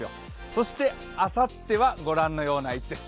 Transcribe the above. そしてあさってはご覧のような位置です。